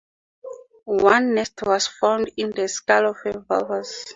One nest was found in the skull of a walrus.